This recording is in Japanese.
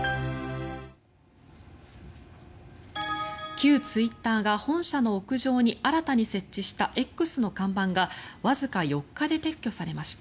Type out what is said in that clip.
旧ツイッターが本社の屋上に新たに設置したＸの看板がわずか４日で撤去されました。